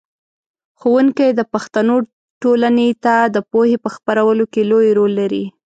ښوونکی د پښتنو ټولنې ته د پوهې په خپرولو کې لوی رول لري.